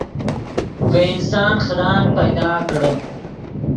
ڤے انسان خدان پیدا کڑے